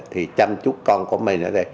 thì chăm chúc con của mình